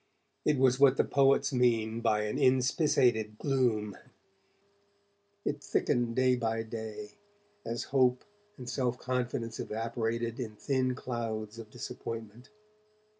It was what the poets mean by an 'inspissated' gloom; it thickened day by day, as hope and self confidence evaporated in thin clouds of disappointment.